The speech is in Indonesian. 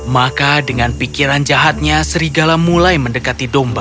maka dengan pikiran jahatnya serigala mulai mendekati domba